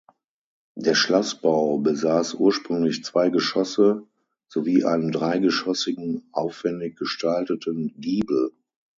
Der Schlossbau besaß ursprünglich zwei Geschosse sowie einen dreigeschossigen aufwendig gestalteten Giebel.